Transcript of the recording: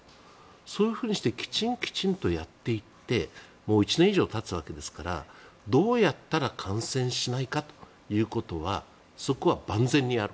そういうふうにしてきちんとやっていってもう１年以上たつわけですからどうやったら感染しないかということはそこは万全にやる。